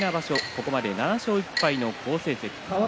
ここまで７勝１敗の好成績です。